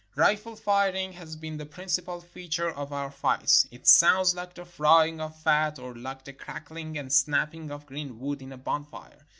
Rifle firing has been the principal feature of our fights. It sounds like the frying of fat, or Hke the crackling and snapping of green wood in a bonfire.